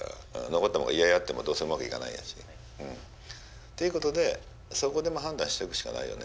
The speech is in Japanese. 残ってもイヤイヤやってもどうせうまくいかないんやし。ということでそこで判断していくしかないよね。